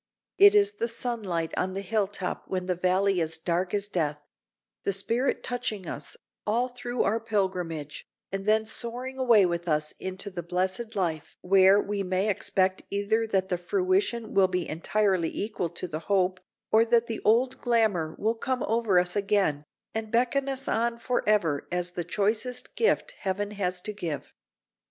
It is the sunlight on the hill top when the valley is dark as death; the spirit touching us, all through our pilgrimage, and then soaring away with us into the blessed life where we may expect either that the fruition will be entirely equal to the hope, or that the old glamour will come over us again, and beckon us on forever as the choicest gift heaven has to give.